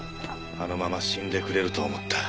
あのまま死んでくれると思った。